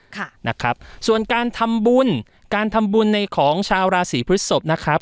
ค่ะนะครับส่วนการทำบุญการทำบุญในของชาวราศีพฤศพนะครับ